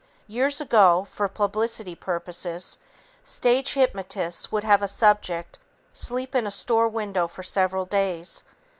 Years ago, for publicity purposes, stage hypnotists would have a subject sleep in a store window for several days.